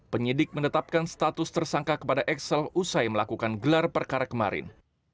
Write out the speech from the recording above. penyidik menetapkan status tersangka kepada excel usai melakukan gelar perkara kemarin